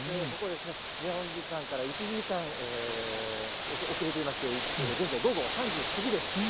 ここはですね、日本時間から１時間遅れていまして、現在午後３時過ぎです。